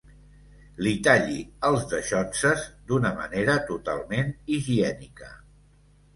Li talli els daixonses d'una manera totalment higiènica.